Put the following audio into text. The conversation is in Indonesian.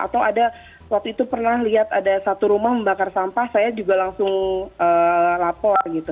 atau ada waktu itu pernah lihat ada satu rumah membakar sampah saya juga langsung lapor gitu